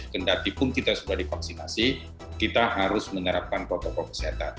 kendatipun kita sudah divaksinasi kita harus menerapkan protokol kesehatan